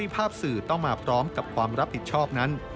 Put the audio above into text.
ภาพสื่อต้องมาพร้อมกับความรับผิดชอบนั้น